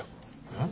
えっ？